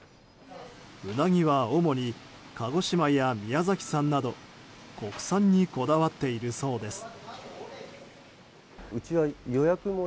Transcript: ウナギは主に鹿児島や宮崎産など国産にこだわっているそうです。